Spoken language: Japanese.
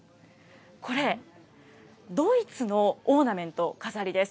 これ、ドイツのオーナメント、飾りです。